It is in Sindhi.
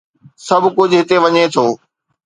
سڀ ڪجهه هتي وڃي ٿو.